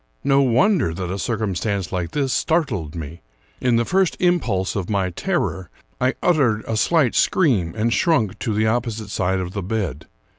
No wonder that a circumstance like this startled me. In the first impulse of my terror, I uttered a slight scream and shrunk to the opposite side of the bed.